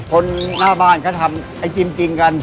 คนหน้าบ้านเขาทำไอจิมจริงกัน